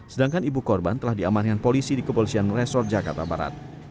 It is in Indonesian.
sedangkan ibu korban telah diamankan polisi di kepolisian resor jakarta barat